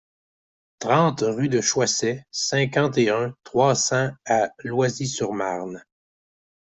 trente rue de Choiset, cinquante et un, trois cents à Loisy-sur-Marne